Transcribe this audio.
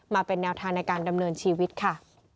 มาเป็นแนวทางในการดำเนินชีวิตค่ะ